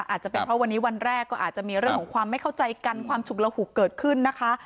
อาจจะเป็นเพราะวันนี้วันแรกก็อาจจะมีเรื่องของความไม่เข้าใจกันความฉุกระหุกเกิดขึ้นนะคะ